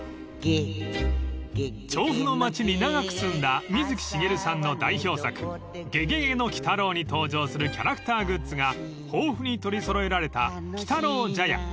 ［調布の町に長く住んだ水木しげるさんの代表作『ゲゲゲの鬼太郎』に登場するキャラクターグッズが豊富に取り揃えられた鬼太郎茶屋］